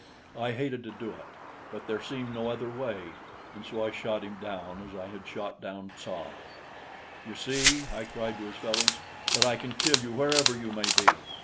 I hated to do it, but there seemed no other way, and so I shot him down as I had shot down Tsa. "You see," I cried to his fellows, "that I can kill you wherever you may be.